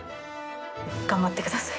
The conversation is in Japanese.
頑張ってください。